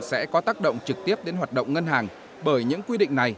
sẽ có tác động trực tiếp đến hoạt động ngân hàng bởi những quy định này